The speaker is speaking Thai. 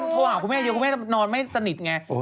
วันนี้คนโทรหาคุณแม่เดี๋ยวคุณแม่นอนไม่สนิทไง